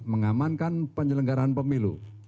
mengamankan penyelenggaran pemilu